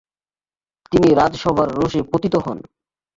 তিনি রাজসভার রোষে পতিত হন।